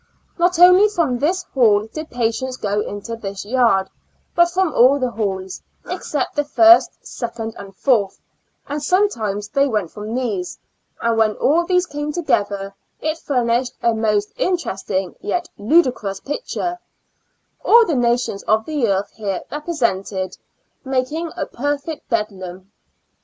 Not only from this hall did patients go into this yard, bnt from all the halls, except the first, second and fourth, and sometimes they went from these; and when all these came together, it furnished a most interesting yet ludicrous picture — all the nations of the earth here repre sented, making a perfect bedlam.